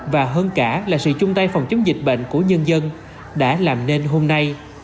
và hơn cả là sự chung tay phòng chống dịch bệnh của nhân dân đã làm nên hôm nay